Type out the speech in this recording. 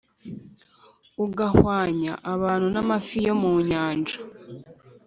ugahwanya abantu n’ amafi yo mu nyanja,